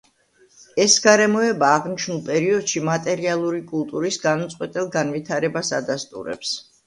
ეს გარემოება აღნიშნულ პერიოდში მატერიალური კულტურის განუწყვეტელ განვითარებას ადასტურებს.